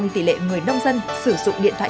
tỷ lệ người nông dân sử dụng điện thoại